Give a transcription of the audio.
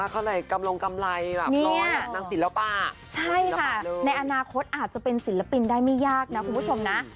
ใช่กำลังกำไรน้องศิลปะใช่ค่ะในอนาคตอาจจะเป็นศิลปินได้ไม่ยากนะคุณผู้ชมนะ